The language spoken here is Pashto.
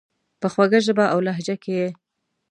په خوږه ژبه اولهجه کي یې،